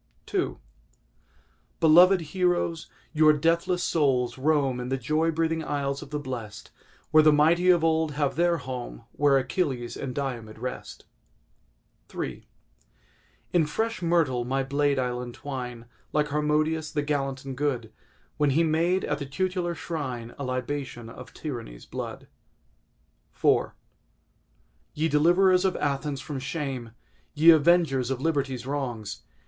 II Beloved heroes! your deathless souls roam In the joy breathing isles of the blest; Where the mighty of old have their home Where Achilles and Diomed rest III In fresh myrtle my blade I'll entwine, Like Harmodius, the gallant and good, When he made at the tutelar shrine A libation of Tyranny's blood. IV Ye deliverers of Athens from shame! Ye avengers of Liberty's wrongs!